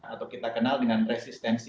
atau kita kenal dengan resistensi